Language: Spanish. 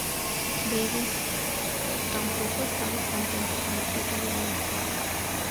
Davis tampoco estaba contento con el título de la historia.